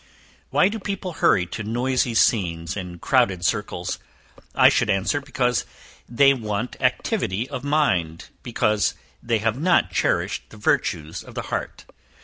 Why do people hurry to noisy scenes and crowded circles? I should answer, because they want activity of mind, because they have not cherished the virtues of the heart.